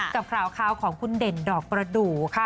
กับข่าวของคุณเด่นดอกประดูกค่ะ